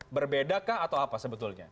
berbedakah atau apa sebetulnya